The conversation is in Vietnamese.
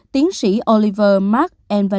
tiến sĩ oliver mark